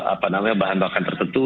apa namanya bahan bakar tertentu